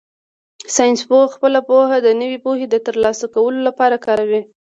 ساینسپوه خپله پوهه د نوې پوهې د ترلاسه کولو لپاره کاروي.